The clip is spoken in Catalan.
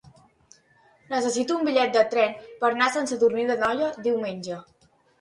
Necessito un bitllet de tren per anar a Sant Sadurní d'Anoia diumenge.